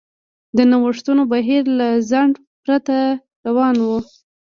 د نوښتونو بهیر له ځنډ پرته روان و.